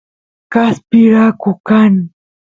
kaspi raku kan